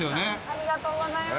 ありがとうございます。